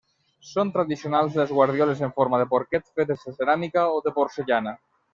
Són tradicionals les guardioles en forma de porquet fetes de ceràmica o de porcellana.